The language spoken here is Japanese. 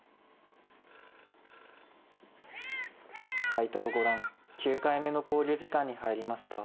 斎藤五段９回目の考慮時間に入りました。